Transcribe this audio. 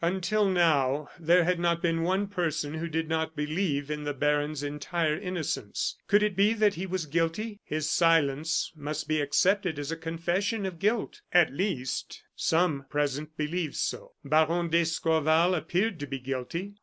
Until now there had not been one person who did not believe in the baron's entire innocence. Could it be that he was guilty? His silence must be accepted as a confession of guilt; at least, some present believed so. Baron d'Escorval appeared to be guilty.